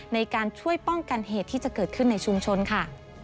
ในการช่วยป้องกันเหตุที่จะเกิดขึ้นในชุมชนค่ะ